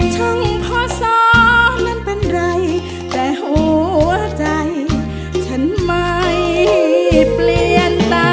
ช่างพอสอนั้นเป็นไรแต่หัวใจฉันไม่เปลี่ยนตา